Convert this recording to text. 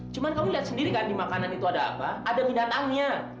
cuma kamu lihat sendiri kan di makanan itu ada apa ada binatangnya